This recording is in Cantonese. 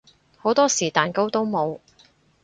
好多時蛋糕都冇